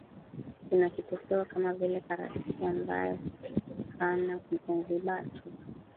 Kuna kipepeo kama vile Karasisi ambaye hupatiakana Zanzibar tu